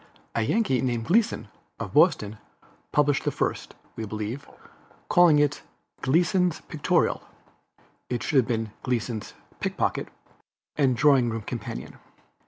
A Yankee named Gleason, of Boston, published the first, we believe, calling it Gleason's Pictorial (it should have been Gleason's Pickpocket) and Drawing Room Companion.